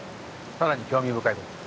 さらに興味深いことが。